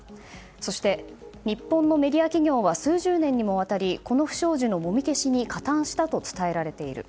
そして、日本のメディア企業は数十年にもわたりこの不祥事のもみ消しに加担したと伝えられている。